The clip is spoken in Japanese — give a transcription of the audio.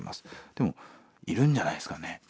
でもいるんじゃないですかね。